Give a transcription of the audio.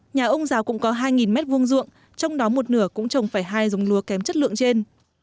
nhà ông giáo cũng có hai m hai ruộng trong đó một nửa cũng trồng phải hai giống lúa kém chất lượng trên